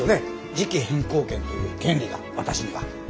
時季変更権という権利が私には。